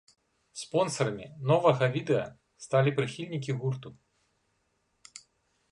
Спонсарамі новага відэа сталі прыхільнікі гурту.